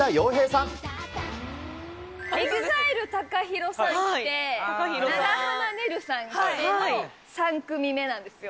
ＥＸＩＬＥ・ＴＡＫＡＨＩＲＯさん来て、長濱ねるさんきての３組目なんですよ。